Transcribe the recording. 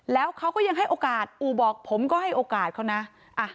แล้วเขาก็ยังให้โอกาสอู่บอกผมก็ให้โอกาสเขานะ